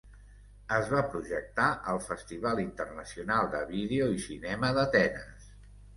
Es va projectar al Festival Internacional de Vídeo i Cinema d'Atenes.